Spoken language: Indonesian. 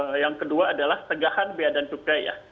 kemudian yang kedua adalah tegahan bea dan cukai ya